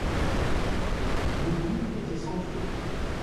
L’égout était sans fond.